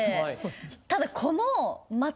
ただこの。